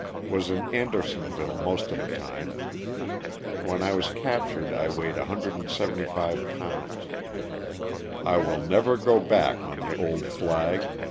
Was in Andersonville most of the time. When I was captured I weighed 175 pounds. I will never go back on the old flag.